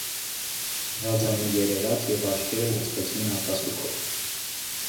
Նրա ձայնը երերաց և աչքերը լցվեցին արտասուքով: